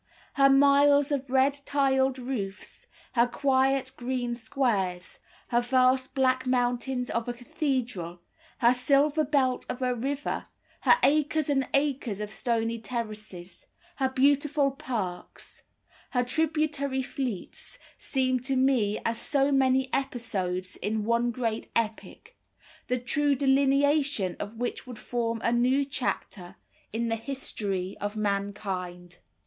Her miles of red tiled roofs, her quiet green squares, her vast black mountain of a cathedral, her silver belt of a river, her acres and acres of stony terraces, her beautiful parks, her tributary fleets, seem to me as so many episodes in one great epic, the true delineation of which would form a new chapter in the HISTORY OF MANKIND.